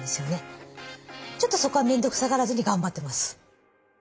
ちょっとそこは面倒くさがらずに頑張ってます。